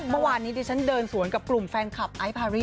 เมื่อวานนี้ดิฉันเดินสวนกับกลุ่มแฟนคลับไอซ์พารี่